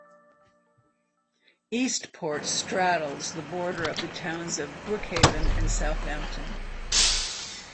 Eastport straddles the border of the towns of Brookhaven and Southampton.